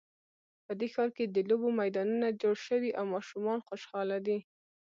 په دې ښار کې د لوبو میدانونه جوړ شوي او ماشومان خوشحاله دي